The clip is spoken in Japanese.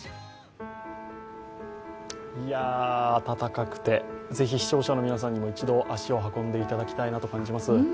温かくて、ぜひ視聴者の皆さんにも一度足を運んでいただきたいと思います。